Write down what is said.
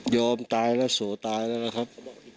ยอมตายแล้วโสตายแล้วแหละครับ